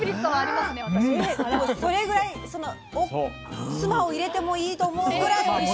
でもそれぐらい妻を入れてもいいと思うぐらいおいしいの？